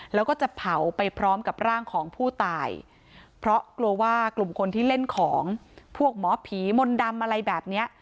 แล้วก็จะเผาไปพร้อมกับร่างของผู้ตายเพราะกลัวว่ากลุ่มคนที่เล่นของพวกหมอผีมนต์ดำอะไรแบบเนี้ย